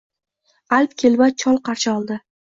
alp kelbat chol qarshi oldi.